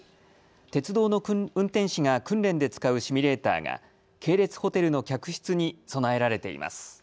鉄道の運転士が訓練で使うシミュレーターが系列ホテルの客室に備えられています。